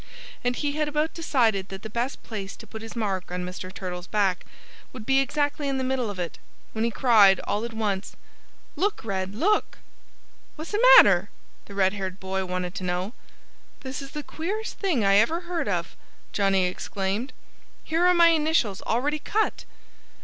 And he had about decided that the best place to put his mark on Mr. Turtle's back would be exactly in the middle of it, when he cried all at once, "Look, Red! Look!" "Whassamatter?" the red haired boy wanted to know. "This is the queerest thing I ever heard of!" Johnnie exclaimed. "Here are my initials already cut!"